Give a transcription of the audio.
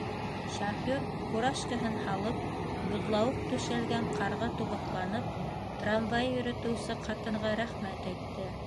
Шофер, фуражкаһын һалып, боҙлауыҡ түшәлгән ҡарға тубыҡланып, трамвай йөрөтөүсе ҡатынға рәхмәт әйтте.